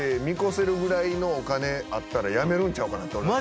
見越せるぐらいのお金あったら辞めるんちゃうかなって。